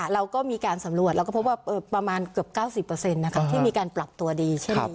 เราก็มีการสำรวจเราก็พบว่าประมาณเกือบ๙๐ที่มีการปรับตัวดีเช่นนี้